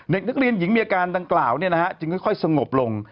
เด็กนักเรียนหญิงมีอาการดังกล่าวจึงค่อยสงบลง